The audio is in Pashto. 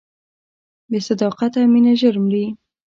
بې صداقته مینه ژر مري.